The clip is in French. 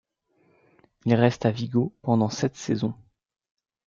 Il reste à Vigo pendant sept saisons.